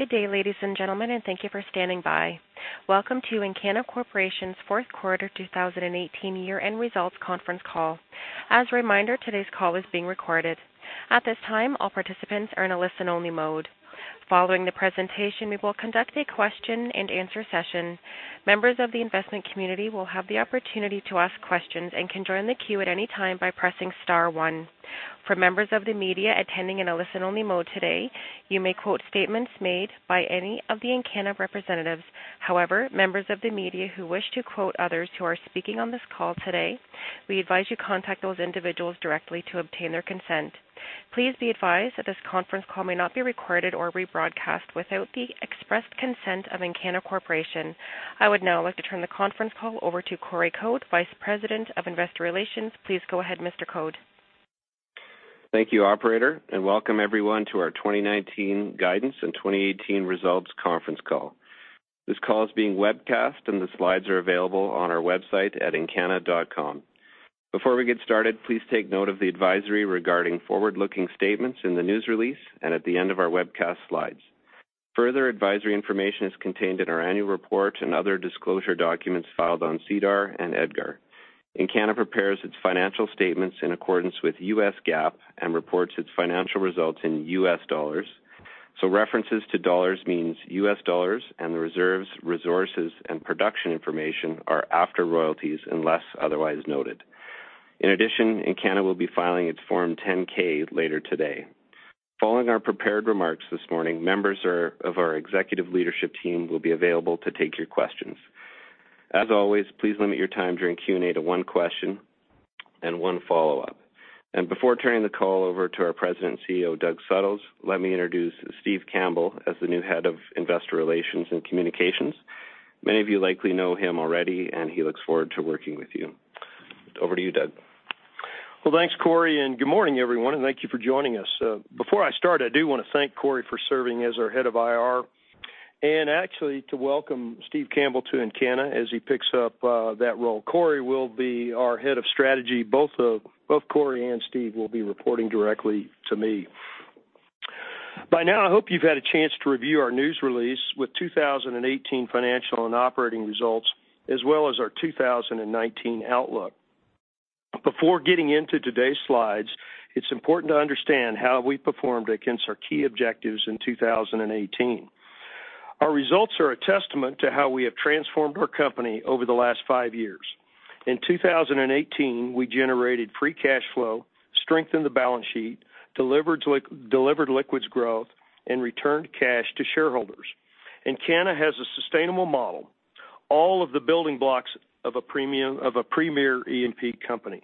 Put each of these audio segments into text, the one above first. Good day, ladies and gentlemen, and thank you for standing by. Welcome to Encana Corporation's fourth quarter 2018 year-end results conference call. As a reminder, today's call is being recorded. At this time, all participants are in a listen-only mode. Following the presentation, we will conduct a question and answer session. Members of the investment community will have the opportunity to ask questions and can join the queue at any time by pressing star one. For members of the media attending in a listen-only mode today, you may quote statements made by any of the Encana representatives. However, members of the media who wish to quote others who are speaking on this call today, we advise you contact those individuals directly to obtain their consent. Please be advised that this conference call may not be recorded or rebroadcast without the expressed consent of Encana Corporation. I would now like to turn the conference call over to Corey Code, Vice President of Investor Relations. Please go ahead, Mr. Code. Thank you, operator, and welcome everyone to our 2019 guidance and 2018 results conference call. This call is being webcast, and the slides are available on our website at encana.com. Before we get started, please take note of the advisory regarding forward-looking statements in the news release and at the end of our webcast slides. Further advisory information is contained in our annual report and other disclosure documents filed on SEDAR and EDGAR. Encana prepares its financial statements in accordance with U.S. GAAP and reports its financial results in U.S. dollars. References to dollars means U.S. dollars and the reserves, resources, and production information are after royalties unless otherwise noted. In addition, Encana will be filing its Form 10-K later today. Following our prepared remarks this morning, members of our executive leadership team will be available to take your questions. As always, please limit your time during Q&A to one question and one follow-up. Before turning the call over to our President and CEO, Doug Suttles, let me introduce Steve Campbell as the new Head of Investor Relations and Communications. Many of you likely know him already, and he looks forward to working with you. Over to you, Doug. Well, thanks, Corey, and good morning, everyone, and thank you for joining us. Before I start, I do want to thank Corey for serving as our head of IR and actually to welcome Steve Campbell to Encana as he picks up that role. Corey will be our Head of Strategy. Both Corey and Steve will be reporting directly to me. By now, I hope you've had a chance to review our news release with 2018 financial and operating results, as well as our 2019 outlook. Before getting into today's slides, it's important to understand how we performed against our key objectives in 2018. Our results are a testament to how we have transformed our company over the last five years. In 2018, we generated free cash flow, strengthened the balance sheet, delivered liquids growth, and returned cash to shareholders. Encana has a sustainable model, all of the building blocks of a premier E&P company.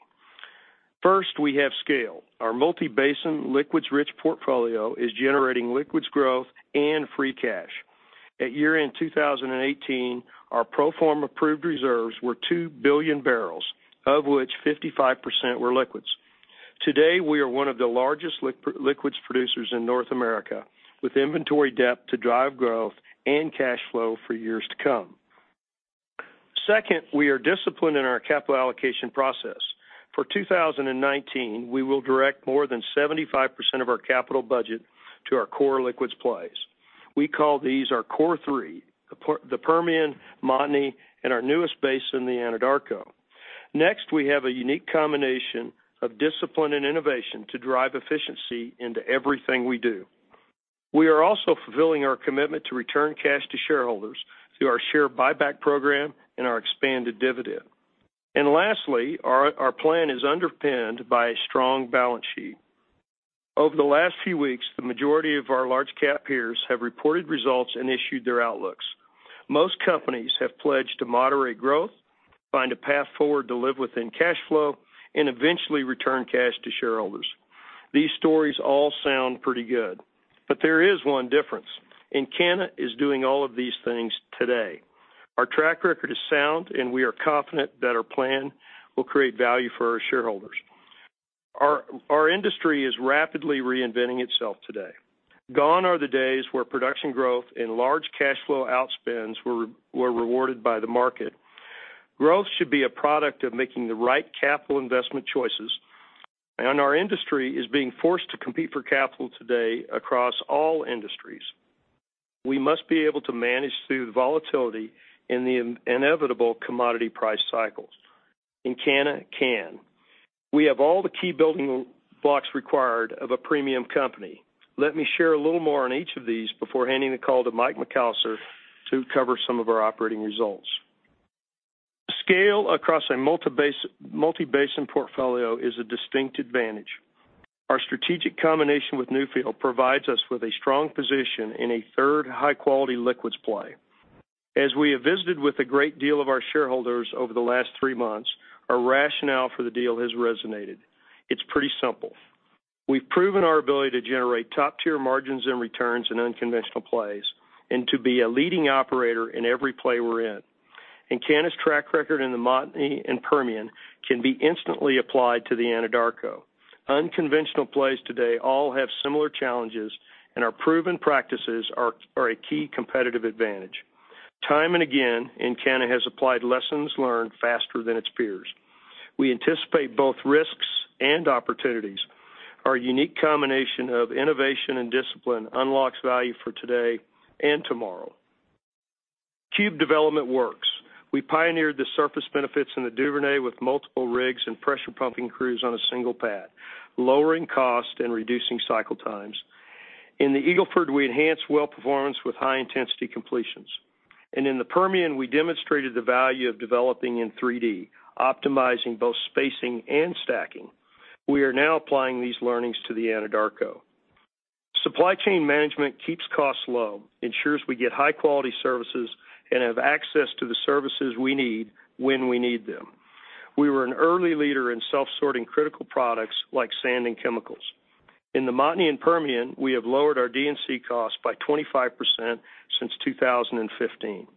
First, we have scale. Our multi-basin, liquids-rich portfolio is generating liquids growth and free cash. At year-end 2018, our pro forma proved reserves were two billion barrels, of which 55% were liquids. Today, we are one of the largest liquids producers in North America, with inventory depth to drive growth and cash flow for years to come. Second, we are disciplined in our capital allocation process. For 2019, we will direct more than 75% of our capital budget to our core liquids plays. We call these our Core 3, the Permian, Montney, and our newest basin, the Anadarko. We have a unique combination of discipline and innovation to drive efficiency into everything we do. We are also fulfilling our commitment to return cash to shareholders through our share buyback program and our expanded dividend. Lastly, our plan is underpinned by a strong balance sheet. Over the last few weeks, the majority of our large-cap peers have reported results and issued their outlooks. Most companies have pledged to moderate growth, find a path forward to live within cash flow, and eventually return cash to shareholders. These stories all sound pretty good, there is one difference. Encana is doing all of these things today. Our track record is sound, and we are confident that our plan will create value for our shareholders. Our industry is rapidly reinventing itself today. Gone are the days where production growth and large cash flow outspends were rewarded by the market. Growth should be a product of making the right capital investment choices, and our industry is being forced to compete for capital today across all industries. We must be able to manage through the volatility and the inevitable commodity price cycles. Encana can. We have all the key building blocks required of a premium company. Let me share a little more on each of these before handing the call to Mike McAllister to cover some of our operating results. Scale across a multi-basin portfolio is a distinct advantage. Our strategic combination with Newfield provides us with a strong position in a third high-quality liquids play. As we have visited with a great deal of our shareholders over the last three months, our rationale for the deal has resonated. It's pretty simple. We've proven our ability to generate top-tier margins and returns in unconventional plays and to be a leading operator in every play we're in. Encana's track record in the Montney and Permian can be instantly applied to the Anadarko. Unconventional plays today all have similar challenges, and our proven practices are a key competitive advantage. Time and again, Encana has applied lessons learned faster than its peers. We anticipate both risks and opportunities. Our unique combination of innovation and discipline unlocks value for today and tomorrow. Cube development works. We pioneered the surface benefits in the Duvernay with multiple rigs and pressure pumping crews on a single pad, lowering cost and reducing cycle times. In the Eagle Ford, we enhanced well performance with high-intensity completions. In the Permian, we demonstrated the value of developing in 3D, optimizing both spacing and stacking. We are now applying these learnings to the Anadarko. Supply chain management keeps costs low, ensures we get high-quality services, and have access to the services we need when we need them. We were an early leader in self-sorting critical products like sand and chemicals. In the Montney and Permian, we have lowered our D&C costs by 25% since 2015.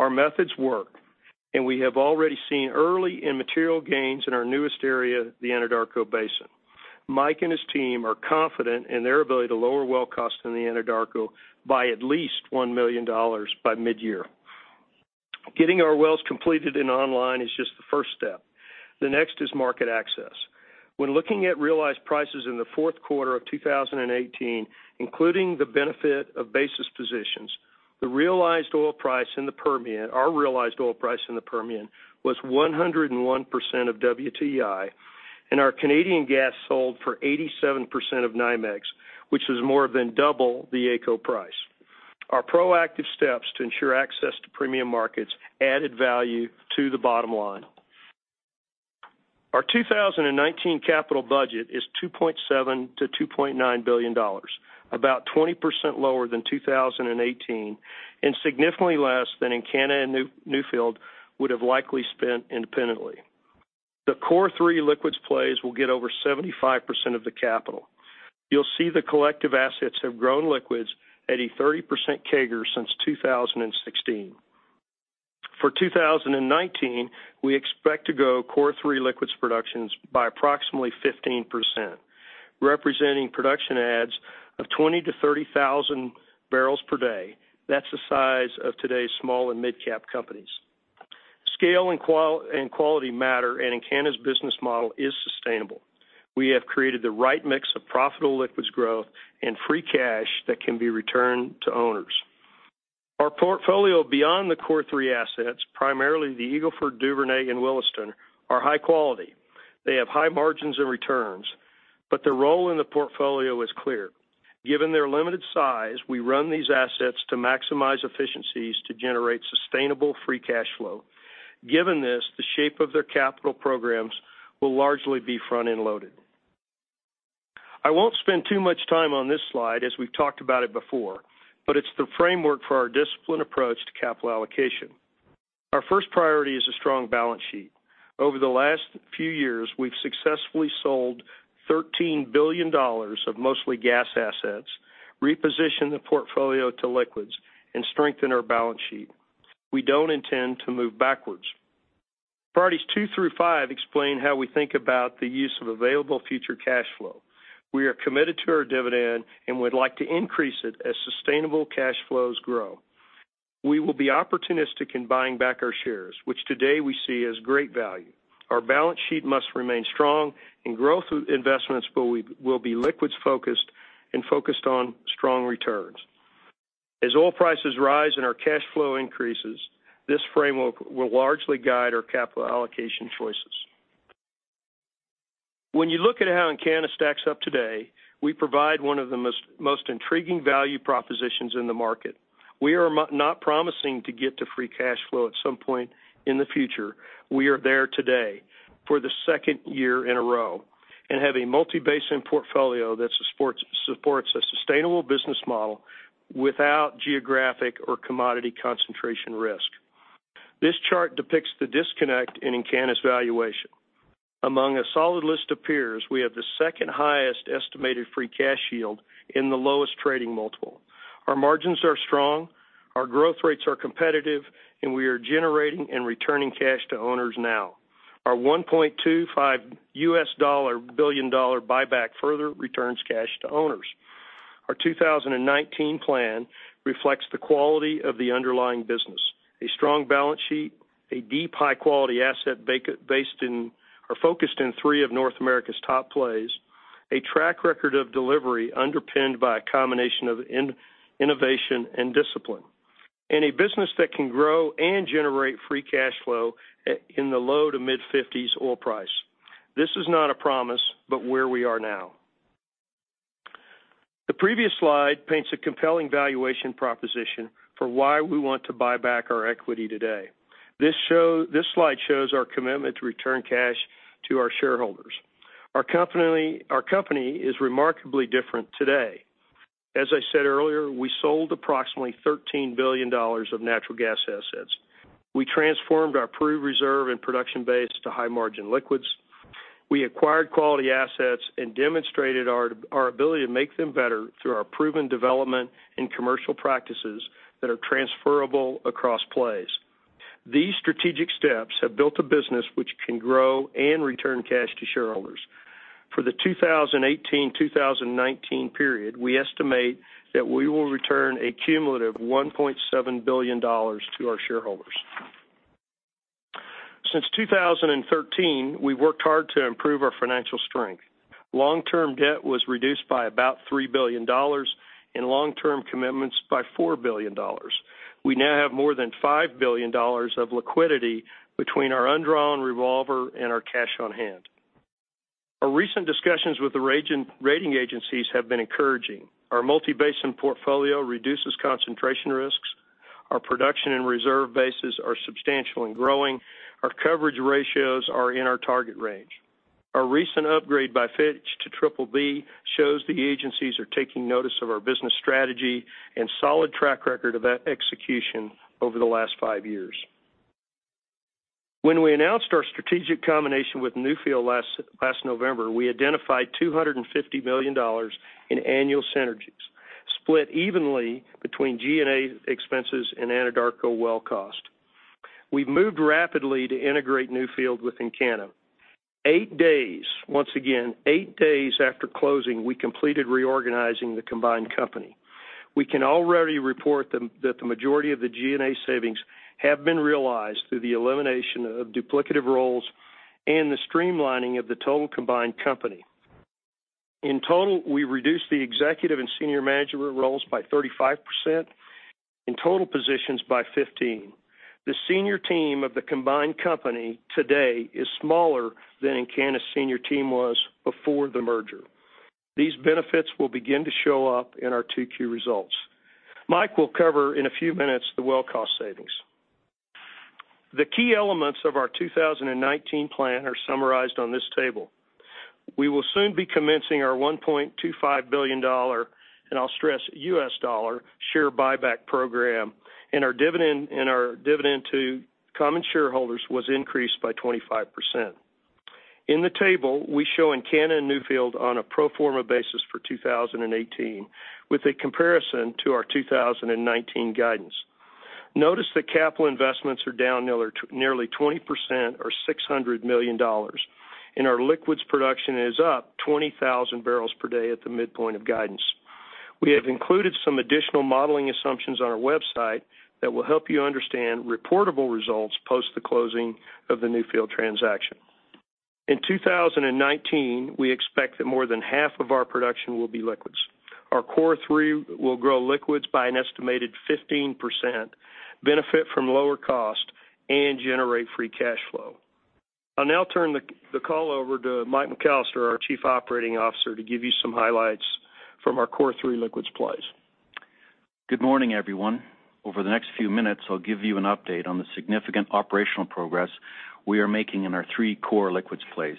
Our methods work, and we have already seen early and material gains in our newest area, the Anadarko Basin. Mike and his team are confident in their ability to lower well cost in the Anadarko by at least $1 million by midyear. Getting our wells completed and online is just the first step. The next is market access. When looking at realized prices in the fourth quarter of 2018, including the benefit of basis positions, our realized oil price in the Permian was 101% of WTI, and our Canadian gas sold for 87% of NYMEX, which is more than double the AECO price. Our proactive steps to ensure access to premium markets added value to the bottom line. Our 2019 capital budget is $2.7 billion-$2.9 billion, about 20% lower than 2018 and significantly less than Encana and Newfield would have likely spent independently. The Core Three liquids plays will get over 75% of the capital. You'll see the collective assets have grown liquids at a 30% CAGR since 2016. For 2019, we expect to grow Core Three liquids productions by approximately 15%, representing production adds of 20,000-30,000 barrels per day. That's the size of today's small and midcap companies. Scale and quality matter, and Encana's business model is sustainable. We have created the right mix of profitable liquids growth and free cash that can be returned to owners. Our portfolio beyond the Core Three assets, primarily the Eagle Ford, Duvernay, and Williston, are high quality. They have high margins and returns, but their role in the portfolio is clear. Given their limited size, we run these assets to maximize efficiencies to generate sustainable free cash flow. Given this, the shape of their capital programs will largely be front-end loaded. I won't spend too much time on this slide, as we've talked about it before, but it's the framework for our disciplined approach to capital allocation. Our first priority is a strong balance sheet. Over the last few years, we've successfully sold $13 billion of mostly gas assets, repositioned the portfolio to liquids, and strengthened our balance sheet. We don't intend to move backwards. Priorities two through five explain how we think about the use of available future cash flow. We are committed to our dividend and would like to increase it as sustainable cash flows grow. We will be opportunistic in buying back our shares, which today we see as great value. Our balance sheet must remain strong and growth investments will be liquids-focused and focused on strong returns. As oil prices rise and our cash flow increases, this framework will largely guide our capital allocation choices. When you look at how Encana stacks up today, we provide one of the most intriguing value propositions in the market. We are not promising to get to free cash flow at some point in the future. We are there today for the second year in a row and have a multi-basin portfolio that supports a sustainable business model without geographic or commodity concentration risk. This chart depicts the disconnect in Encana's valuation. Among a solid list of peers, we have the second highest estimated free cash yield and the lowest trading multiple. Our margins are strong, our growth rates are competitive, and we are generating and returning cash to owners now. Our $1.25 billion buyback further returns cash to owners. Our 2019 plan reflects the quality of the underlying business, a strong balance sheet, a deep, high-quality asset focused in three of North America's top plays, a track record of delivery underpinned by a combination of innovation and discipline, and a business that can grow and generate free cash flow in the low to mid-$50s oil price. This is not a promise, but where we are now. The previous slide paints a compelling valuation proposition for why we want to buy back our equity today. This slide shows our commitment to return cash to our shareholders. Our company is remarkably different today. As I said earlier, we sold approximately $13 billion of natural gas assets. We transformed our proved reserve and production base to high-margin liquids. We acquired quality assets and demonstrated our ability to make them better through our proven development and commercial practices that are transferable across plays. These strategic steps have built a business which can grow and return cash to shareholders. For the 2018-2019 period, we estimate that we will return a cumulative $1.7 billion to our shareholders. Since 2013, we've worked hard to improve our financial strength. Long-term debt was reduced by about $3 billion and long-term commitments by $4 billion. We now have more than $5 billion of liquidity between our undrawn revolver and our cash on hand. Our recent discussions with the rating agencies have been encouraging. Our multi-basin portfolio reduces concentration risks. Our production and reserve bases are substantial and growing. Our coverage ratios are in our target range. Our recent upgrade by Fitch to BBB shows the agencies are taking notice of our business strategy and solid track record of execution over the last five years. When we announced our strategic combination with Newfield last November, we identified $250 million in annual synergies, split evenly between G&A expenses and Anadarko well cost. We've moved rapidly to integrate Newfield with Encana. Eight days, once again, eight days after closing, we completed reorganizing the combined company. We can already report that the majority of the G&A savings have been realized through the elimination of duplicative roles and the streamlining of the total combined company. In total, we reduced the executive and senior management roles by 35%, and total positions by 15. The senior team of the combined company today is smaller than Encana's senior team was before the merger. These benefits will begin to show up in our 2Q results. Mike will cover in a few minutes the well cost savings. The key elements of our 2019 plan are summarized on this table. We will soon be commencing our $1.25 billion, and I'll stress U.S. dollar, share buyback program, and our dividend to common shareholders was increased by 25%. In the table, we show Encana and Newfield on a pro forma basis for 2018, with a comparison to our 2019 guidance. Notice that capital investments are down nearly 20% or $600 million, and our liquids production is up 20,000 barrels per day at the midpoint of guidance. We have included some additional modeling assumptions on our website that will help you understand reportable results post the closing of the Newfield transaction. In 2019, we expect that more than half of our production will be liquids. Our Core Three will grow liquids by an estimated 15%, benefit from lower cost, and generate free cash flow. I'll now turn the call over to Mike McAllister, our Chief Operating Officer, to give you some highlights from our Core Three liquids plays. Good morning, everyone. Over the next few minutes, I'll give you an update on the significant operational progress we are making in our three core liquids plays.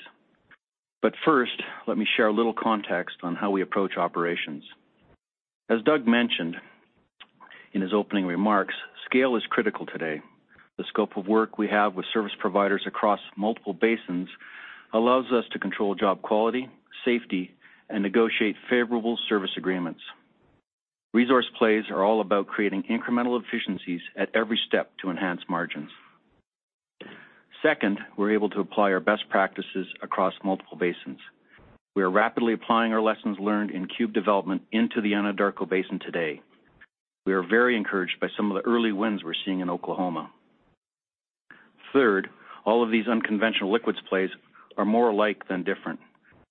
First, let me share a little context on how we approach operations. As Doug mentioned in his opening remarks, scale is critical today. The scope of work we have with service providers across multiple basins allows us to control job quality, safety, and negotiate favorable service agreements. Resource plays are all about creating incremental efficiencies at every step to enhance margins. Second, we're able to apply our best practices across multiple basins. We are rapidly applying our lessons learned in cube development into the Anadarko Basin today. We are very encouraged by some of the early wins we're seeing in Oklahoma. Third, all of these unconventional liquids plays are more alike than different.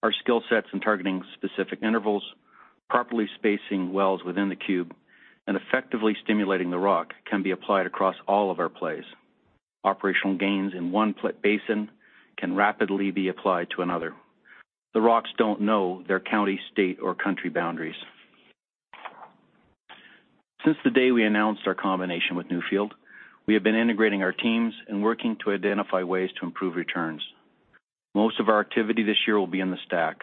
Our skill sets in targeting specific intervals, properly spacing wells within the cube, and effectively stimulating the rock can be applied across all of our plays. Operational gains in one basin can rapidly be applied to another. The rocks don't know their county, state, or country boundaries. Since the day we announced our combination with Newfield, we have been integrating our teams and working to identify ways to improve returns. Most of our activity this year will be in the STACK.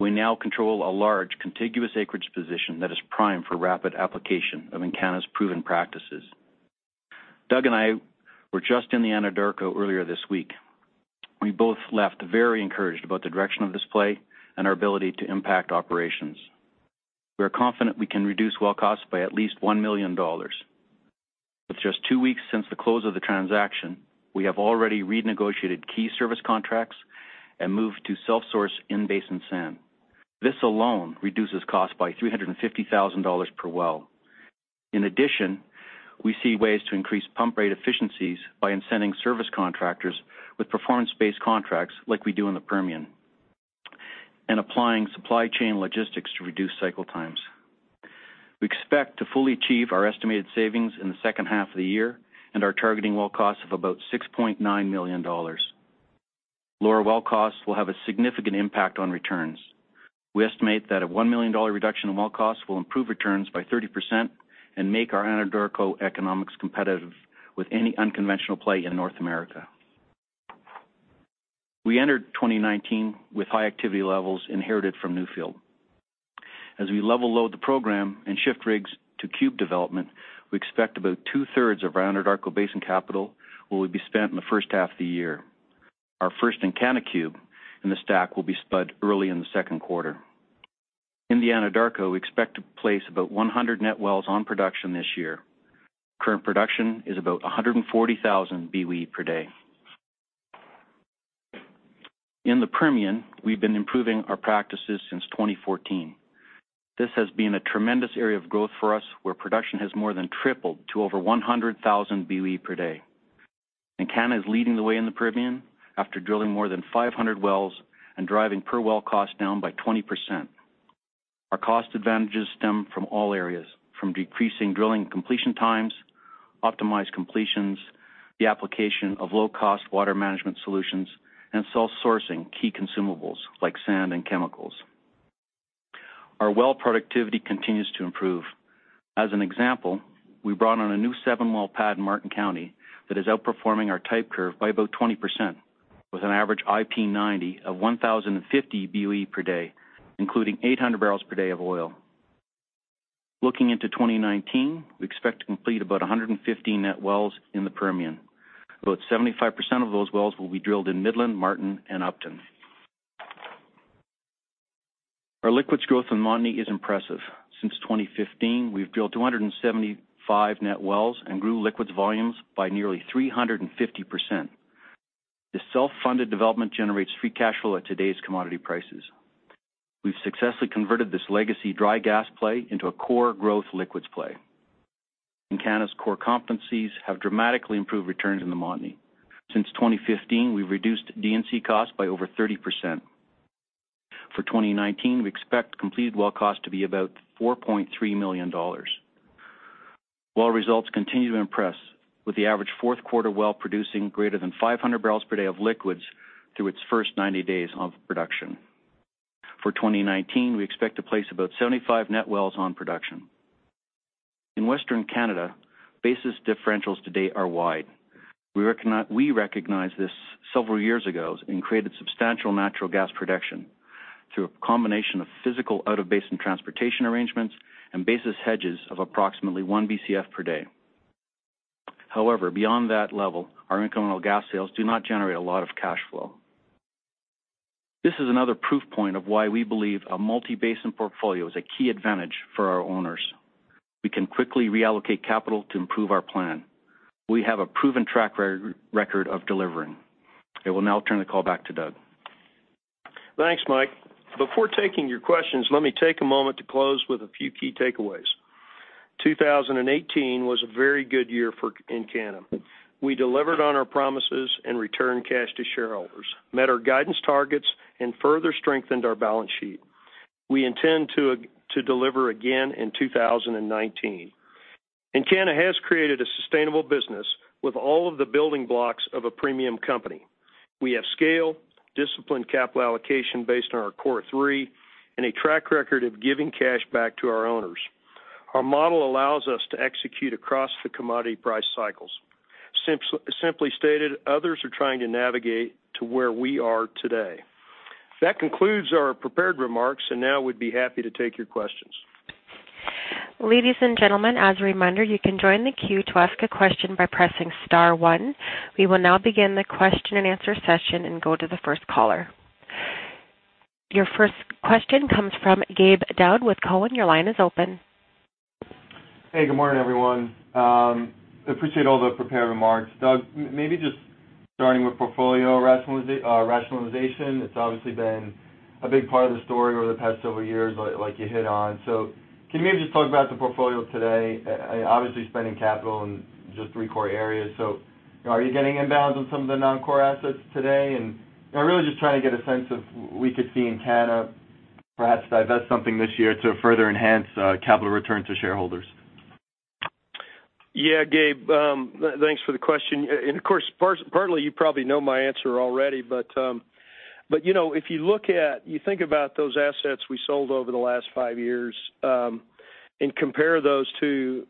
We now control a large contiguous acreage position that is primed for rapid application of Encana's proven practices. Doug and I were just in the Anadarko earlier this week. We both left very encouraged about the direction of this play and our ability to impact operations. We are confident we can reduce well costs by at least $1 million. With just two weeks since the close of the transaction, we have already renegotiated key service contracts and moved to self-source in-basin sand. This alone reduces cost by $350,000 per well. In addition, we see ways to increase pump rate efficiencies by incenting service contractors with performance-based contracts like we do in the Permian, and applying supply chain logistics to reduce cycle times. We expect to fully achieve our estimated savings in the second half of the year and are targeting well costs of about $6.9 million. Lower well costs will have a significant impact on returns. We estimate that a $1 million reduction in well costs will improve returns by 30% and make our Anadarko economics competitive with any unconventional play in North America. We entered 2019 with high activity levels inherited from Newfield. We level load the program and shift rigs to cube development, we expect about two-thirds of our Anadarko Basin capital will be spent in the first half of the year. Our first Encana cube in the STACK will be spud early in the second quarter. In the Anadarko, we expect to place about 100 net wells on production this year. Current production is about 140,000 BOE per day. In the Permian, we've been improving our practices since 2014. This has been a tremendous area of growth for us, where production has more than tripled to over 100,000 BOE per day. Encana is leading the way in the Permian after drilling more than 500 wells and driving per well cost down by 20%. Our cost advantages stem from all areas, from decreasing drilling completion times, optimized completions, the application of low-cost water management solutions, and self-sourcing key consumables like sand and chemicals. Our well productivity continues to improve. An example, we brought on a new seven-well pad in Martin County that is outperforming our type curve by about 20%, with an average IP 90 of 1,050 BOE per day, including 800 barrels per day of oil. Looking into 2019, we expect to complete about 150 net wells in the Permian. About 75% of those wells will be drilled in Midland, Martin, and Upton. Our liquids growth in Montney is impressive. Since 2015, we've drilled 275 net wells and grew liquids volumes by nearly 350%. This self-funded development generates free cash flow at today's commodity prices. We've successfully converted this legacy dry gas play into a core growth liquids play. Encana's core competencies have dramatically improved returns in the Montney. Since 2015, we've reduced D&C costs by over 30%. For 2019, we expect completed well cost to be about $4.3 million. Well results continue to impress, with the average fourth quarter well producing greater than 500 barrels per day of liquids through its first 90 days of production. For 2019, we expect to place about 75 net wells on production. In Western Canada, basis differentials to date are wide. We recognized this several years ago and created substantial natural gas production through a combination of physical out-of-basin transportation arrangements and basis hedges of approximately one Bcf per day. Beyond that level, our incremental gas sales do not generate a lot of cash flow. This is another proof point of why we believe a multi-basin portfolio is a key advantage for our owners. We can quickly reallocate capital to improve our plan. We have a proven track record of delivering. I will now turn the call back to Doug. Thanks, Mike. Before taking your questions, let me take a moment to close with a few key takeaways. 2018 was a very good year for Encana. We delivered on our promises and returned cash to shareholders, met our guidance targets, and further strengthened our balance sheet. We intend to deliver again in 2019. Encana has created a sustainable business with all of the building blocks of a premium company. We have scale, disciplined capital allocation based on our Core Three, and a track record of giving cash back to our owners. Our model allows us to execute across the commodity price cycles. Simply stated, others are trying to navigate to where we are today. That concludes our prepared remarks, and now we'd be happy to take your questions. Ladies and gentlemen, as a reminder, you can join the queue to ask a question by pressing *1. We will now begin the question and answer session and go to the first caller. Your first question comes from Gabe Daoud with Cowen. Your line is open. Hey, good morning, everyone. Appreciate all the prepared remarks. Doug, maybe just starting with portfolio rationalization. It's obviously been a big part of the story over the past several years, like you hit on. Can you maybe just talk about the portfolio today? Obviously, spending capital in just three core areas. Are you getting inbounds on some of the non-core assets today? And I'm really just trying to get a sense of we could see Encana perhaps divest something this year to further enhance capital return to shareholders. Yeah, Gabe, thanks for the question. Of course, partly you probably know my answer already, if you think about those assets we sold over the last five years, and compare those to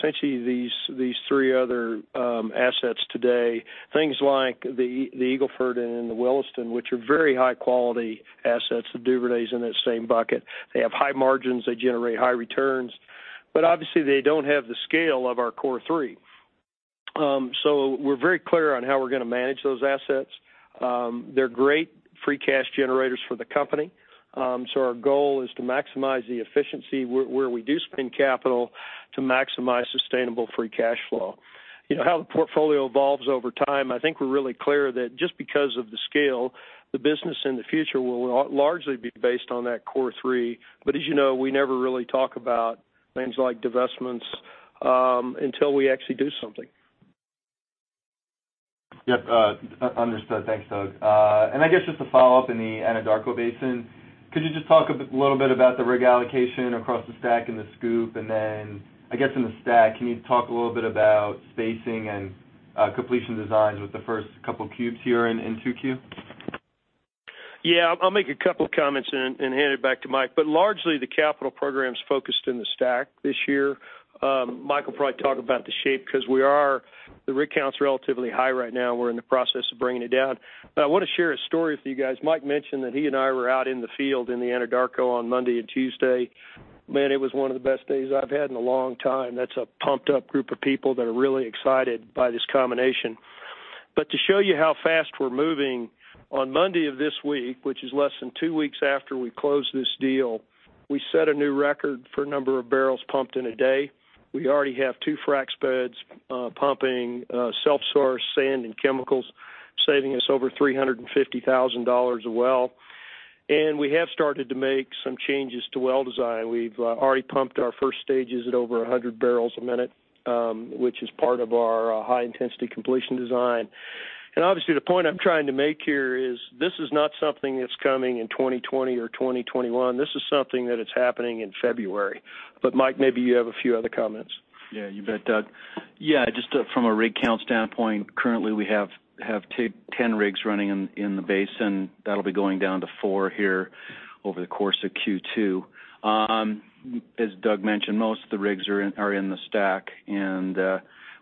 essentially these three other assets today, things like the Eagle Ford and the Williston, which are very high-quality assets. The Duvernay is in that same bucket. They have high margins. They generate high returns. Obviously they don't have the scale of our Core Three. We're very clear on how we're going to manage those assets. They're great free cash generators for the company. Our goal is to maximize the efficiency where we do spend capital to maximize sustainable free cash flow. How the portfolio evolves over time, I think we're really clear that just because of the scale, the business in the future will largely be based on that Core Three. As you know, we never really talk about things like divestments until we actually do something. Yep. Understood. Thanks, Doug. I guess just to follow up in the Anadarko Basin, could you just talk a little bit about the rig allocation across the STACK and the SCOOP? I guess in the STACK, can you talk a little bit about spacing and completion designs with the first couple cubes here in 2Q? Yeah. I'll make a couple comments and hand it back to Mike. Largely, the capital program's focused in the STACK this year. Mike will probably talk about the shape because the rig count's relatively high right now. We're in the process of bringing it down. I want to share a story with you guys. Mike mentioned that he and I were out in the field in the Anadarko on Monday and Tuesday. Man, it was one of the best days I've had in a long time. That's a pumped up group of people that are really excited by this combination. To show you how fast we're moving, on Monday of this week, which is less than two weeks after we close this deal, we set a new record for number of barrels pumped in a day. We already have two frack spreads pumping self-source sand and chemicals, saving us over $350,000 a well, and we have started to make some changes to well design. We've already pumped our first stages at over 100 barrels a minute, which is part of our high-intensity completion design. Obviously, the point I'm trying to make here is this is not something that's coming in 2020 or 2021. This is something that it's happening in February. Mike, maybe you have a few other comments. You bet, Doug. Just from a rig count standpoint, currently we have 10 rigs running in the basin. That'll be going down to four here over the course of Q2. As Doug mentioned, most of the rigs are in the STACK, and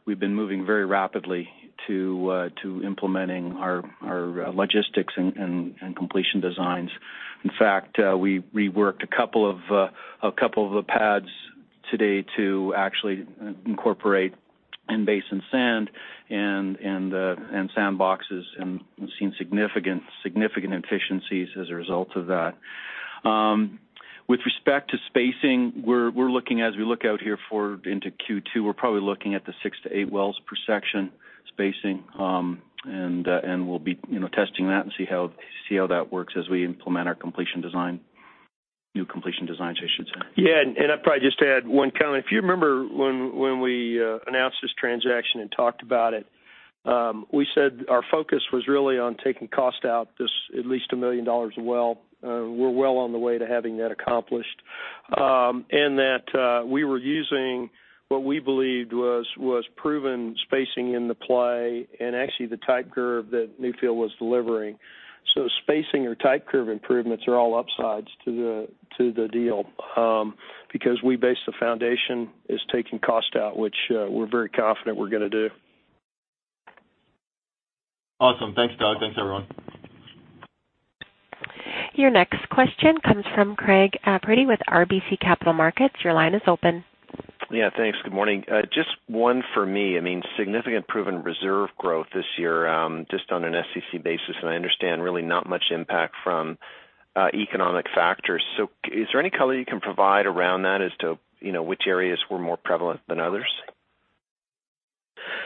we've been moving very rapidly to implementing our logistics and completion designs. In fact, we reworked a couple of the pads today to actually incorporate in-basin sand and sandboxes, and we've seen significant efficiencies as a result of that. With respect to spacing, as we look out here forward into Q2, we're probably looking at the six to eight wells per section spacing. We'll be testing that and see how that works as we implement our new completion designs, I should say. I'd probably just add one comment. If you remember when we announced this transaction and talked about it, we said our focus was really on taking cost out, at least a million dollars a well. We're well on the way to having that accomplished. That we were using what we believed was proven spacing in the play and actually the type curve that Newfield was delivering. Spacing or type curve improvements are all upsides to the deal, because we base the foundation as taking cost out, which we're very confident we're going to do. Awesome. Thanks, Doug. Thanks, everyone. Your next question comes from Greg Pardy with RBC Capital Markets. Your line is open. Yeah, thanks. Good morning. Just one for me. Significant proven reserve growth this year, just on an SEC basis, and I understand really not much impact from economic factors. Is there any color you can provide around that as to which areas were more prevalent than others?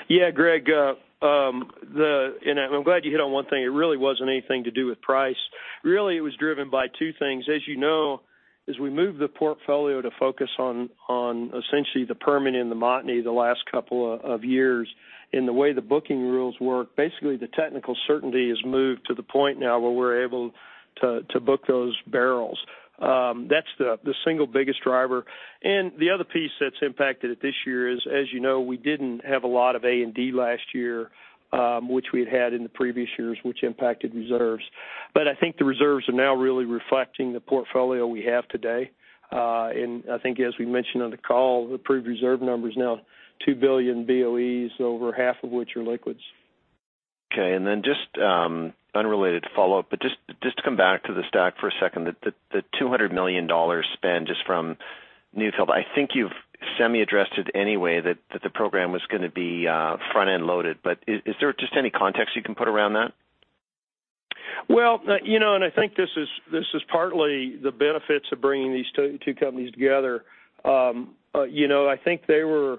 Yeah, Greg, I'm glad you hit on one thing. It really wasn't anything to do with price. Really, it was driven by two things. As you know, as we move the portfolio to focus on essentially the Permian and the Montney the last couple of years, and the way the booking rules work, basically the technical certainty has moved to the point now where we're able to book those barrels. That's the single biggest driver. The other piece that's impacted it this year is, as you know, we didn't have a lot of A&D last year, which we had had in the previous years, which impacted reserves. I think the reserves are now really reflecting the portfolio we have today. I think as we mentioned on the call, the approved reserve number is now 2 billion BOEs, over half of which are liquids. Okay, just unrelated follow-up, but just to come back to the STACK for a second, the $200 million spend just from Newfield. I think you've semi-addressed it anyway, that the program was going to be front-end loaded, but is there just any context you can put around that? I think this is partly the benefits of bringing these two companies together. I think they were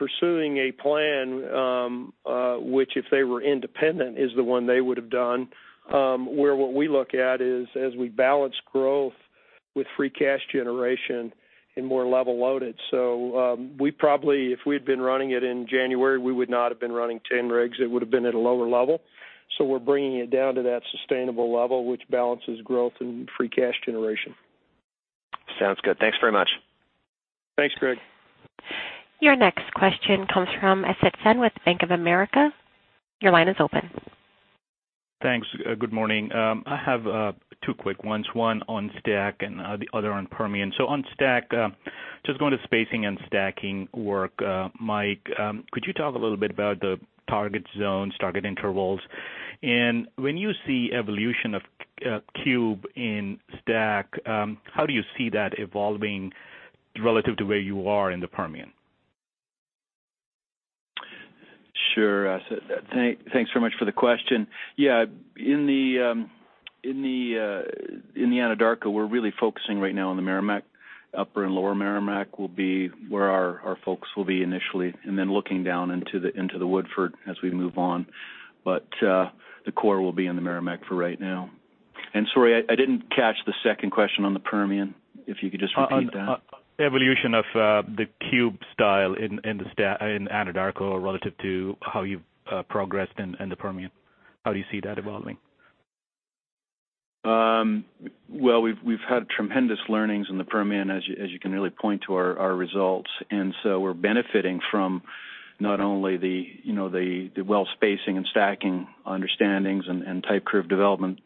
pursuing a plan, which if they were independent, is the one they would have done, where what we look at is as we balance growth with free cash generation and more level loaded. We probably, if we had been running it in January, we would not have been running 10 rigs. It would've been at a lower level. We're bringing it down to that sustainable level, which balances growth and free cash generation. Sounds good. Thanks very much. Thanks, Greg. Your next question comes from Asit Sen with Bank of America. Your line is open. Thanks. Good morning. I have two quick ones, one on STACK and the other on Permian. On STACK, just going to spacing and stacking work. Mike, could you talk a little bit about the target zones, target intervals? When you see evolution of cube in STACK, how do you see that evolving relative to where you are in the Permian? Sure, Asit. Thanks so much for the question. Yeah. In the Anadarko, we're really focusing right now on the Meramec, upper and lower Meramec will be where our folks will be initially, then looking down into the Woodford as we move on. The core will be in the Meramec for right now. Sorry, I didn't catch the second question on the Permian, if you could just repeat that. On evolution of the cube style in Anadarko relative to how you've progressed in the Permian, how do you see that evolving? Well, we've had tremendous learnings in the Permian, as you can really point to our results. We're benefiting from not only the well spacing and stacking understandings and type curve development,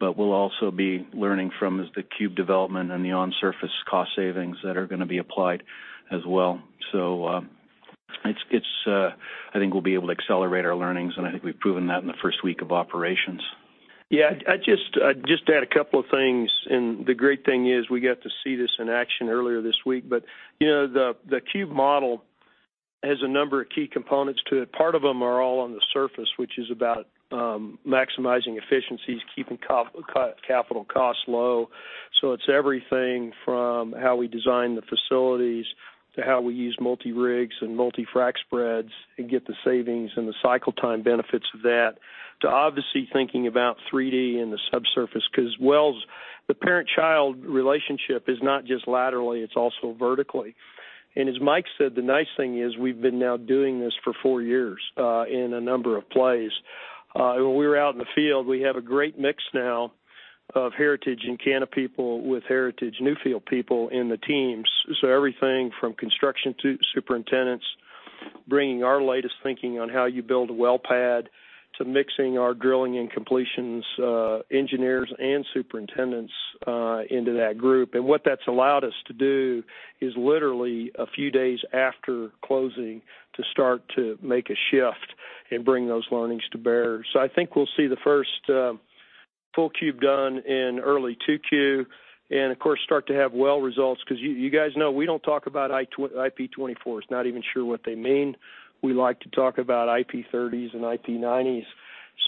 but we'll also be learning from is the cube development and the on-surface cost savings that are going to be applied as well. I think we'll be able to accelerate our learnings, and I think we've proven that in the first week of operations. I'd just add a couple of things. The great thing is we got to see this in action earlier this week. The cube model has a number of key components to it. Part of them are all on the surface, which is about maximizing efficiencies, keeping capital costs low. It's everything from how we design the facilities to how we use multi-rigs and multi-frack spreads and get the savings and the cycle time benefits of that, to obviously thinking about 3D and the subsurface. Because wells, the parent-child relationship is not just laterally, it's also vertically. As Mike said, the nice thing is we've been now doing this for four years in a number of plays. When we were out in the field, we have a great mix now of Heritage and Encana people with Heritage Newfield people in the teams. Everything from construction to superintendents, bringing our latest thinking on how you build a well pad, to mixing our drilling and completions engineers and superintendents into that group. What that's allowed us to do is literally a few days after closing, to start to make a shift and bring those learnings to bear. I think we'll see the first full cube done in early 2Q, and of course, start to have well results, because you guys know we don't talk about IP 24s, not even sure what they mean. We like to talk about IP 30s and IP 90s.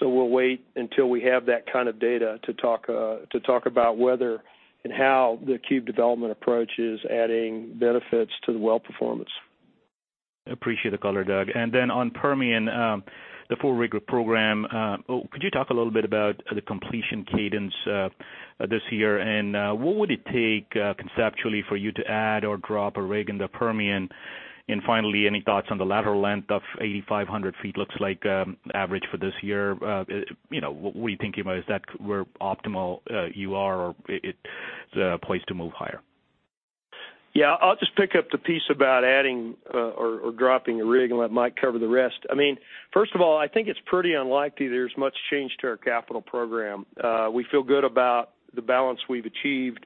We'll wait until we have that kind of data to talk about whether and how the cube development approach is adding benefits to the well performance. Appreciate the color, Doug. On Permian, the full rig program, could you talk a little bit about the completion cadence this year? What would it take conceptually for you to add or drop a rig in the Permian? Finally, any thoughts on the lateral length of 8,500 feet looks like average for this year. What were you thinking about? Is that where optimal you are or it's a place to move higher? I'll just pick up the piece about adding or dropping a rig. Let Mike cover the rest. First of all, I think it's pretty unlikely there's much change to our capital program. We feel good about the balance we've achieved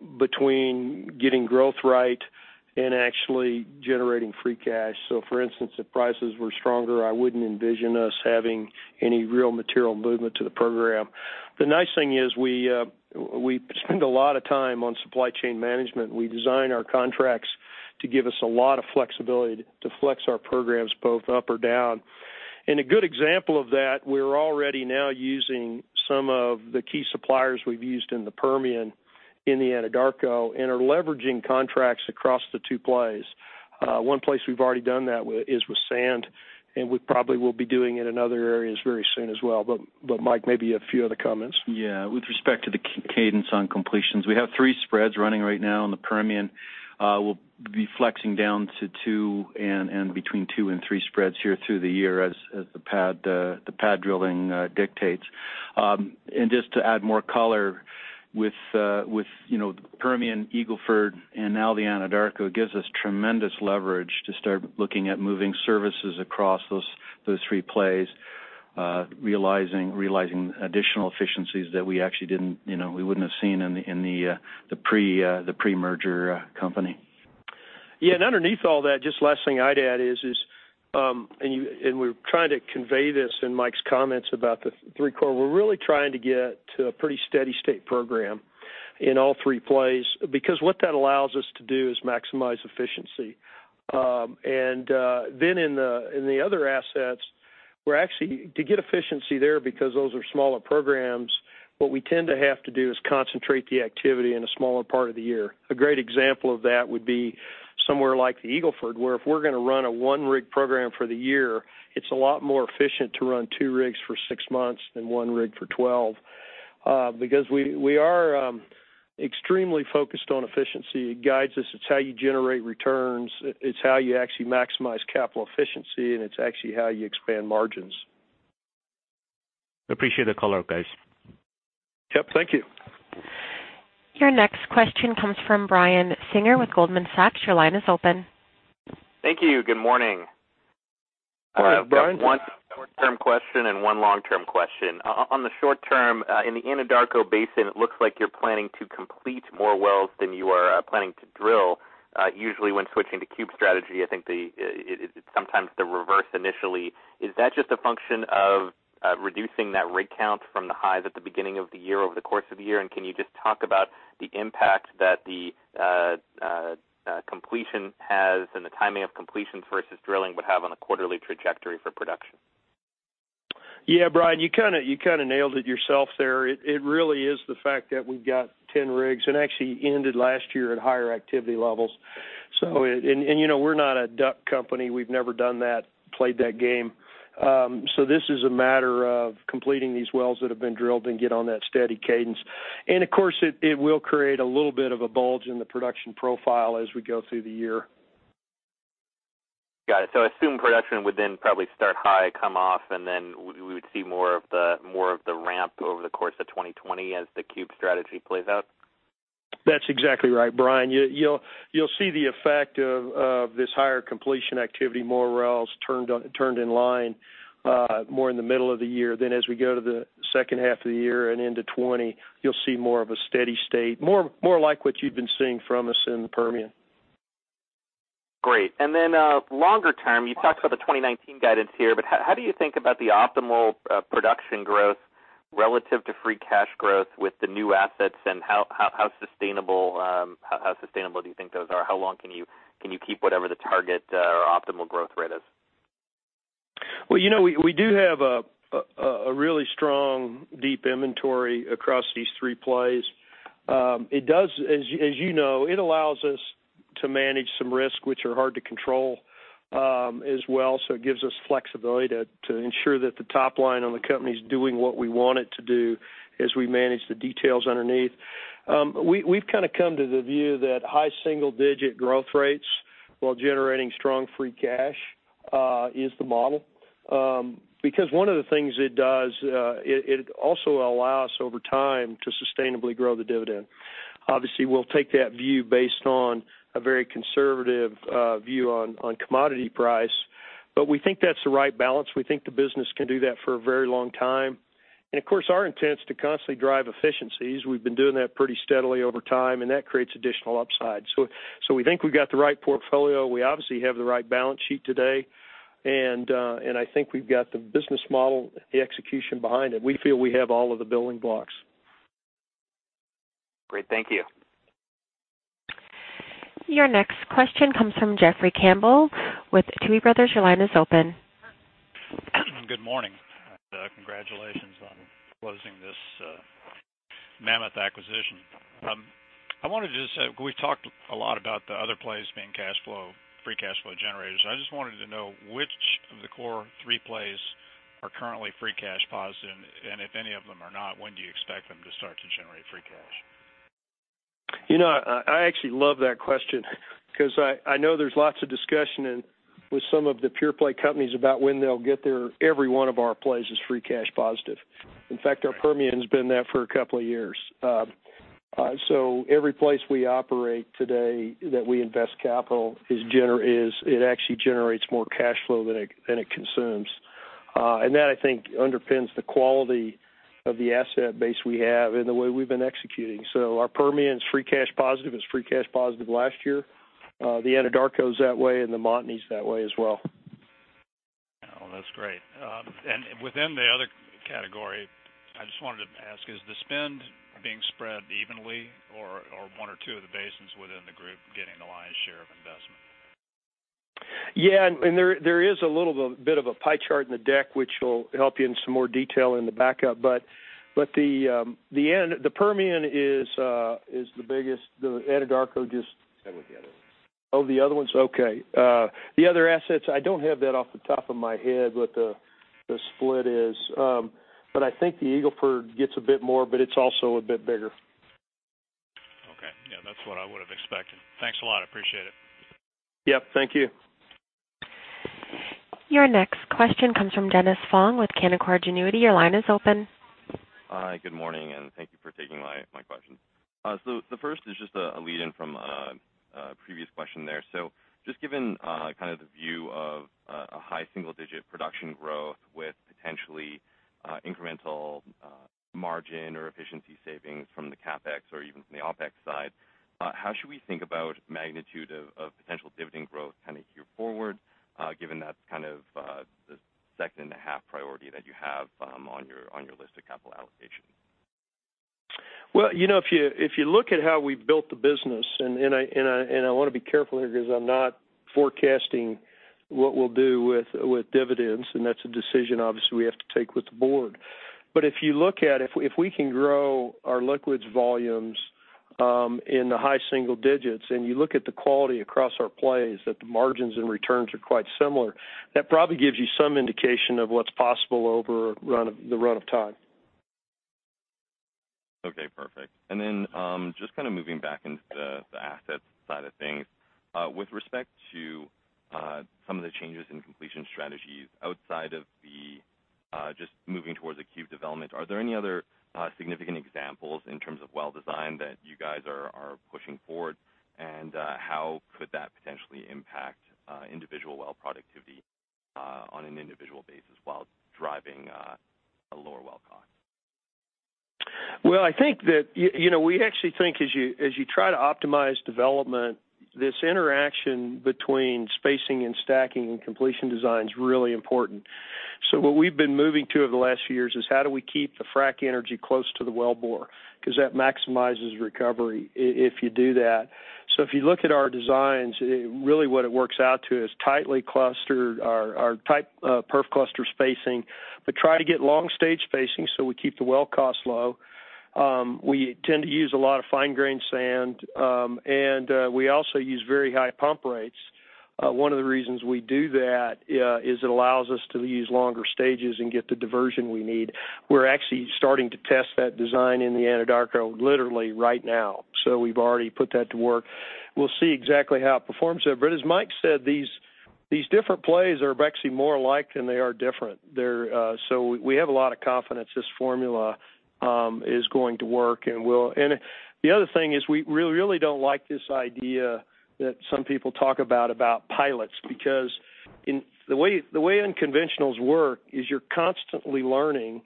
between getting growth right and actually generating free cash. For instance, if prices were stronger, I wouldn't envision us having any real material movement to the program. The nice thing is we spend a lot of time on supply chain management. We design our contracts to give us a lot of flexibility to flex our programs both up or down. A good example of that, we're already now using some of the key suppliers we've used in the Permian in the Anadarko, and are leveraging contracts across the two plays. One place we've already done that is with sand, and we probably will be doing it in other areas very soon as well. Mike, maybe a few other comments. Yeah. With respect to the cadence on completions, we have three spreads running right now in the Permian. We'll be flexing down to two and between two and three spreads here through the year as the pad drilling dictates. Just to add more color with Permian, Eagle Ford, and now the Anadarko gives us tremendous leverage to start looking at moving services across those three plays, realizing additional efficiencies that we actually wouldn't have seen in the pre-merger company. Yeah. Underneath all that, just last thing I'd add is, we're trying to convey this in Mike's comments about the three core. We're really trying to get to a pretty steady state program in all three plays, because what that allows us to do is maximize efficiency. Then in the other assets, to get efficiency there because those are smaller programs, what we tend to have to do is concentrate the activity in a smaller part of the year. A great example of that would be somewhere like the Eagle Ford, where if we're going to run a one-rig program for the year, it's a lot more efficient to run two rigs for six months than one rig for 12. We are extremely focused on efficiency. It guides us. It's how you generate returns. It's how you actually maximize capital efficiency, it's actually how you expand margins. Appreciate the color, guys. Yep. Thank you. Your next question comes from Brian Singer with Goldman Sachs. Your line is open. Thank you. Good morning. Good morning, Brian. I've got one short-term question and one long-term question. On the short term, in the Anadarko Basin, it looks like you're planning to complete more wells than you are planning to drill. Usually when switching to Cube Strategy, I think it's sometimes the reverse initially. Is that just a function of reducing that rig count from the highs at the beginning of the year over the course of the year? Can you just talk about the impact that the completion has and the timing of completion versus drilling would have on a quarterly trajectory for production? Yeah, Brian, you kind of nailed it yourself there. It really is the fact that we've got 10 rigs, and actually ended last year at higher activity levels. We're not a DUC company. We've never done that, played that game. This is a matter of completing these wells that have been drilled and get on that steady cadence. Of course, it will create a little bit of a bulge in the production profile as we go through the year. Got it. I assume production would then probably start high, come off, and then we would see more of the ramp over the course of 2020 as the Cube Strategy plays out? That's exactly right, Brian. You'll see the effect of this higher completion activity, more wells turned in line more in the middle of the year. As we go to the second half of the year and into 2020, you'll see more of a steady state, more like what you've been seeing from us in the Permian. Great. Longer term, you talked about the 2019 guidance here, how do you think about the optimal production growth relative to free cash growth with the new assets, how sustainable do you think those are? How long can you keep whatever the target or optimal growth rate is? Well, we do have a really strong deep inventory across these three plays. As you know, it allows us to manage some risks which are hard to control as well. It gives us flexibility to ensure that the top line on the company is doing what we want it to do as we manage the details underneath. We've kind of come to the view that high single-digit growth rates while generating strong free cash, is the model. One of the things it does, it also will allow us over time to sustainably grow the dividend. Obviously, we'll take that view based on a very conservative view on commodity price. We think that's the right balance. We think the business can do that for a very long time. Of course, our intent is to constantly drive efficiencies. We've been doing that pretty steadily over time, that creates additional upside. We think we've got the right portfolio. We obviously have the right balance sheet today, I think we've got the business model, the execution behind it. We feel we have all of the building blocks. Great. Thank you. Your next question comes from Jeffrey Campbell with Tuohy Brothers. Your line is open. Good morning, congratulations on closing this mammoth acquisition. We've talked a lot about the other plays being free cash flow generators. I just wanted to know which of the Core Three plays are currently free cash positive, and if any of them are not, when do you expect them to start to generate free cash? I actually love that question because I know there's lots of discussion with some of the pure play companies about when they'll get there. Every one of our plays is free cash positive. In fact, our Permian's been that for a couple of years. Every place we operate today that we invest capital, it actually generates more cash flow than it consumes. That underpins the quality of the asset base we have and the way we've been executing. Our Permian's free cash positive. It was free cash positive last year. The Anadarko's that way, and the Montney's that way as well. That's great. Within the other category, I just wanted to ask, is the spend being spread evenly or one or two of the basins within the group getting the lion's share of investment? Yeah. There is a little bit of a pie chart in the deck, which will help you in some more detail in the backup. The Permian is the biggest. Same with the other ones. Oh, the other ones? Okay. The other assets, I don't have that off the top of my head what the split is. I think the Eagle Ford gets a bit more, but it's also a bit bigger. Okay. Yeah, that's what I would've expected. Thanks a lot. Appreciate it. Yep. Thank you. Your next question comes from Dennis Fong with Canaccord Genuity. Your line is open. Hi, good morning, and thank you for taking my question. The first is just a lead in from a previous question there. Just given kind of the view of a high single-digit production growth with potentially incremental margin or efficiency savings from the CapEx or even from the OpEx side, how should we think about magnitude of potential dividend growth kind of year forward, given that's kind of the second and a half priority that you have on your list of capital allocation? If you look at how we built the business, I want to be careful here because I'm not forecasting what we'll do with dividends, that's a decision obviously we have to take with the board. If you look at if we can grow our liquids volumes, in the high single digits, and you look at the quality across our plays, that the margins and returns are quite similar, that probably gives you some indication of what's possible over the run of time. Okay, perfect. Then, just kind of moving back into the assets side of things. With respect to some of the changes in completion strategies outside of the just moving towards cube development, are there any other significant examples in terms of well design that you guys are pushing forward? How could that potentially impact individual well productivity on an individual basis while driving a lower well cost? We actually think as you try to optimize development, this interaction between spacing and stacking and completion design is really important. What we've been moving to over the last few years is how do we keep the frack energy close to the wellbore? That maximizes recovery if you do that. If you look at our designs, really what it works out to is tightly clustered, our tight perf cluster spacing, but try to get long stage spacing so we keep the well cost low. We tend to use a lot of fine-grain sand, we also use very high pump rates. One of the reasons we do that is it allows us to use longer stages and get the diversion we need. We're actually starting to test that design in the Anadarko literally right now. We've already put that to work. We'll see exactly how it performs there. As Mike said, these different plays are actually more alike than they are different. We have a lot of confidence this formula is going to work. The other thing is we really don't like this idea that some people talk about pilots because the way unconventionals work is you're constantly learning.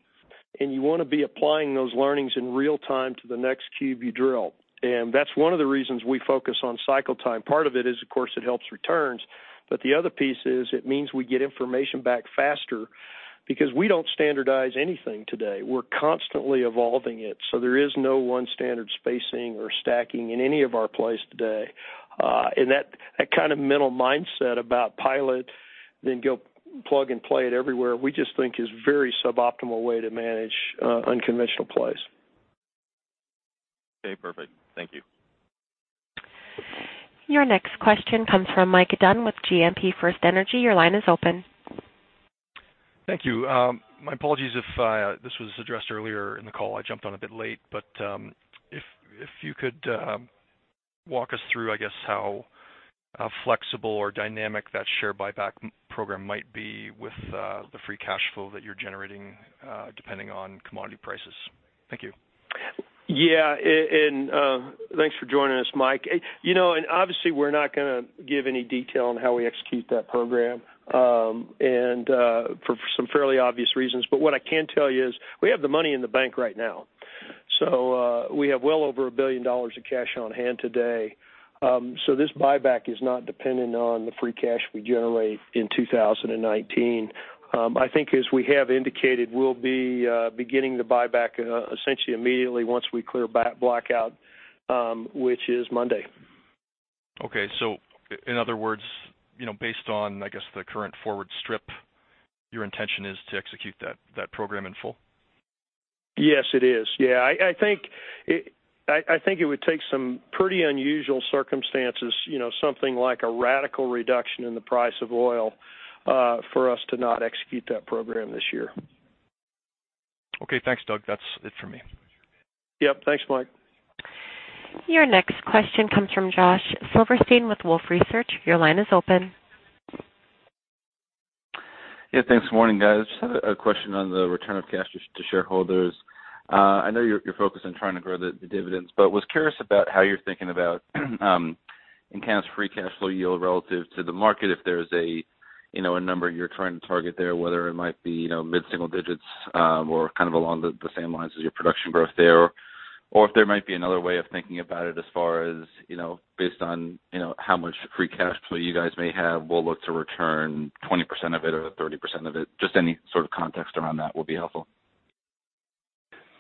You want to be applying those learnings in real time to the next cube you drill. That's one of the reasons we focus on cycle time. Part of it is, of course, it helps returns, but the other piece is it means we get information back faster because we don't standardize anything today. We're constantly evolving it, there is no one standard spacing or stacking in any of our plays today. That kind of mental mindset about pilot, then go plug and play it everywhere, we just think is very suboptimal way to manage unconventional plays. Okay, perfect. Thank you. Your next question comes from Mike Dunn with GMP FirstEnergy. Your line is open. Thank you. My apologies if this was addressed earlier in the call. I jumped on a bit late, but if you could walk us through, I guess, how flexible or dynamic that share buyback program might be with the free cash flow that you're generating, depending on commodity prices. Thank you. Yeah. Thanks for joining us, Mike. Obviously, we're not going to give any detail on how we execute that program, and for some fairly obvious reasons. What I can tell you is we have the money in the bank right now. We have well over $1 billion of cash on hand today. This buyback is not dependent on the free cash we generate in 2019. I think as we have indicated, we'll be beginning the buyback essentially immediately once we clear blackout, which is Monday. Okay. In other words, based on, I guess, the current forward strip, your intention is to execute that program in full? Yes, it is. Yeah. I think it would take some pretty unusual circumstances, something like a radical reduction in the price of oil, for us to not execute that program this year. Okay. Thanks, Doug. That's it for me. Yep. Thanks, Mike. Your next question comes from Joshua Silverstein with Wolfe Research. Your line is open. Yeah, thanks. Morning, guys. Just had a question on the return of cash to shareholders. I know you're focused on trying to grow the dividends, but was curious about how you're thinking about Encana's free cash flow yield relative to the market, if there's a number you're trying to target there, whether it might be mid-single digits or kind of along the same lines as your production growth there. Or if there might be another way of thinking about it as far as based on how much free cash flow you guys may have, we'll look to return 20% of it or 30% of it. Just any sort of context around that will be helpful.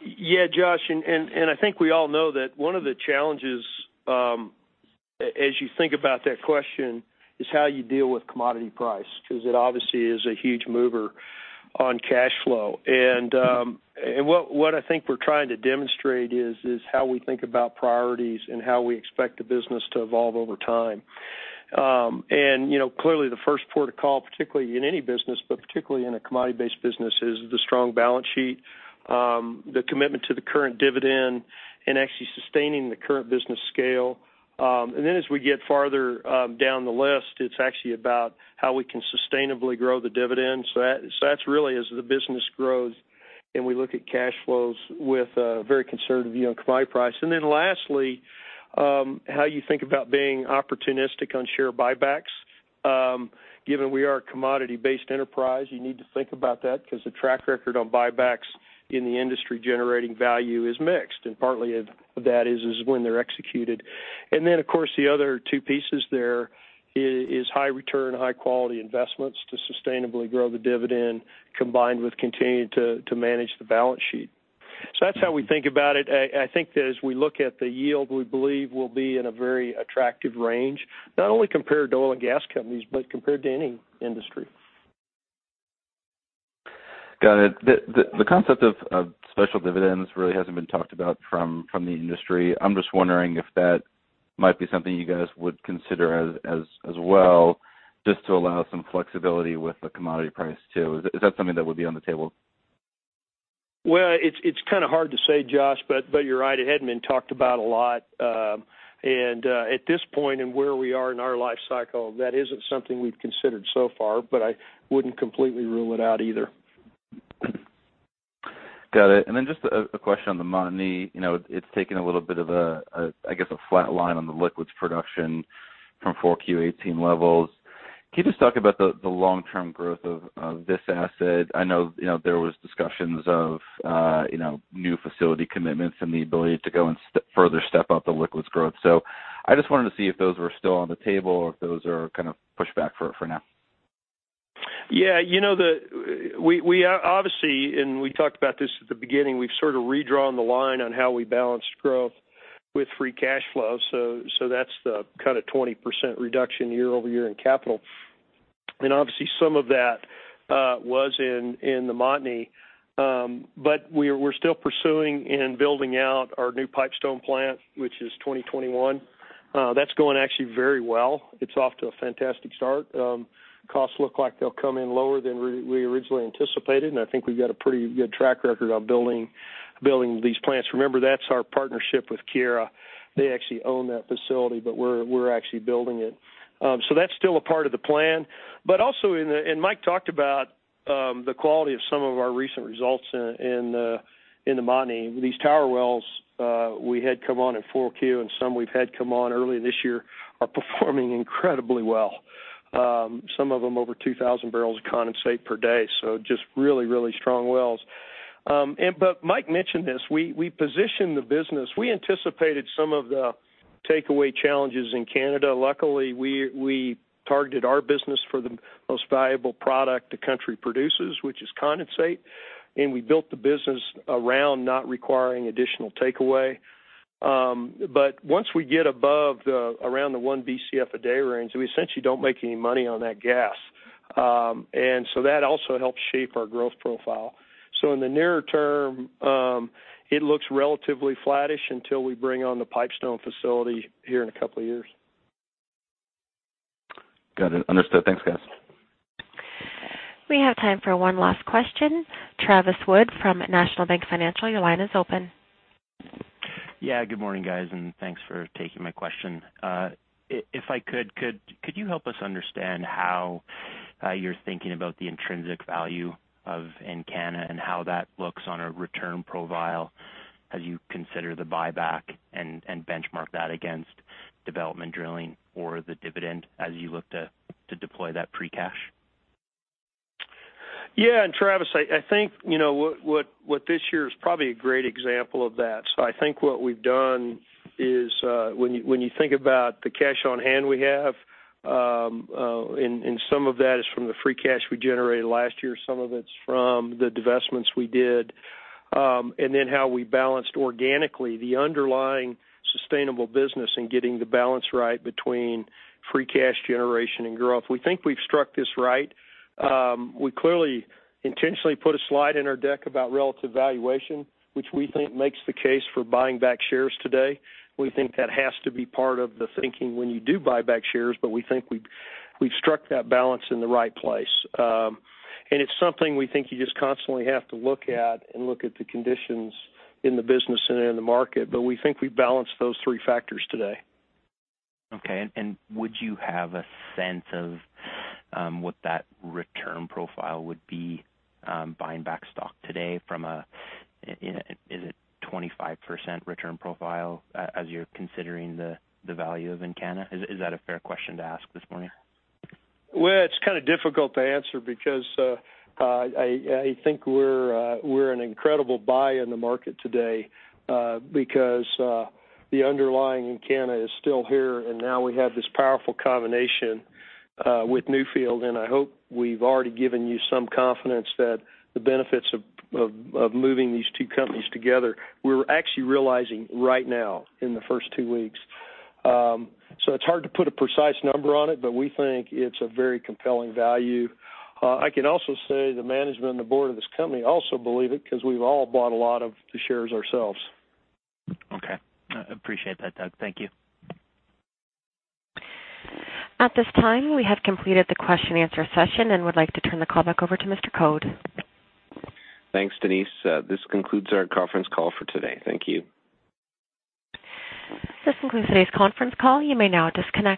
Yeah, Josh, I think we all know that one of the challenges, as you think about that question, is how you deal with commodity price, because it obviously is a huge mover on cash flow. What I think we're trying to demonstrate is how we think about priorities and how we expect the business to evolve over time. Clearly the first port of call, particularly in any business, but particularly in a commodity-based business, is the strong balance sheet, the commitment to the current dividend, and actually sustaining the current business scale. As we get farther down the list, it's actually about how we can sustainably grow the dividend. That's really as the business grows, and we look at cash flows with a very conservative view on commodity price. Lastly, how you think about being opportunistic on share buybacks. Given we are a commodity-based enterprise, you need to think about that because the track record on buybacks in the industry generating value is mixed, and partly of that is when they're executed. Of course, the other two pieces there is high return, high-quality investments to sustainably grow the dividend, combined with continuing to manage the balance sheet. That's how we think about it. I think that as we look at the yield, we believe we'll be in a very attractive range, not only compared to oil and gas companies, but compared to any industry. Got it. The concept of special dividends really hasn't been talked about from the industry. I'm just wondering if that might be something you guys would consider as well, just to allow some flexibility with the commodity price too. Is that something that would be on the table? It's kind of hard to say, Josh, but you're right. It hadn't been talked about a lot. At this point in where we are in our life cycle, that isn't something we've considered so far, but I wouldn't completely rule it out either. Got it. Just a question on the Montney. It's taken a little bit of a, I guess, a flat line on the liquids production from 4Q18 levels. Can you just talk about the long-term growth of this asset? I know there was discussions of new facility commitments and the ability to go and further step up the liquids growth. I just wanted to see if those were still on the table or if those are kind of pushed back for now. Yeah. We obviously, and we talked about this at the beginning, we've sort of redrawn the line on how we balance growth with free cash flow. That's the kind of 20% reduction year-over-year in capital. Obviously, some of that was in the Montney. We're still pursuing and building out our new Pipestone plant, which is 2021. That's going actually very well. It's off to a fantastic start. Costs look like they'll come in lower than we originally anticipated, and I think we've got a pretty good track record on building these plants. Remember, that's our partnership with Keyera. They actually own that facility, but we're actually building it. That's still a part of the plan. Mike talked about the quality of some of our recent results in the Montney, these Tower wells we had come on in Q4, and some we've had come on early this year are performing incredibly well. Some of them over 2,000 barrels of condensate per day, just really strong wells. Mike mentioned this. We positioned the business. We anticipated some of the takeaway challenges in Canada. Luckily, we targeted our business for the most valuable product the country produces, which is condensate, and we built the business around not requiring additional takeaway. Once we get above the, around the 1 Bcf a day range, we essentially don't make any money on that gas. That also helps shape our growth profile. In the nearer term, it looks relatively flattish until we bring on the Pipestone facility here in a couple of years. Got it. Understood. Thanks, guys. We have time for one last question. Travis Wood from National Bank Financial, your line is open. Yeah, good morning, guys, and thanks for taking my question. If I could you help us understand how you're thinking about the intrinsic value of Encana and how that looks on a return profile as you consider the buyback and benchmark that against development drilling or the dividend as you look to deploy that free cash? Yeah. Travis, I think what this year is probably a great example of that. I think what we've done is, when you think about the cash on hand we have, and some of that is from the free cash we generated last year, some of it's from the divestments we did, and then how we balanced organically the underlying sustainable business and getting the balance right between free cash generation and growth. We think we've struck this right. We clearly intentionally put a slide in our deck about relative valuation, which we think makes the case for buying back shares today. We think that has to be part of the thinking when you do buy back shares, but we think we've struck that balance in the right place. It's something we think you just constantly have to look at and look at the conditions in the business and in the market. We think we've balanced those three factors today. Okay. Would you have a sense of what that return profile would be, buying back stock today? Is it a 25% return profile as you're considering the value of Encana? Is that a fair question to ask this morning? Well, it's kind of difficult to answer because I think we're an incredible buy in the market today because the underlying Encana is still here, and now we have this powerful combination with Newfield, and I hope we've already given you some confidence that the benefits of moving these two companies together, we're actually realizing right now in the first two weeks. It's hard to put a precise number on it, but we think it's a very compelling value. I can also say the management and the board of this company also believe it because we've all bought a lot of the shares ourselves. Okay. I appreciate that, Doug. Thank you. At this time, we have completed the question-answer session and would like to turn the call back over to Mr. Code. Thanks, Denise. This concludes our conference call for today. Thank you. This concludes today's conference call. You may now disconnect.